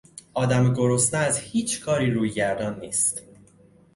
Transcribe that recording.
آدم گرسنه از هیچ کاری رویگردان نیست.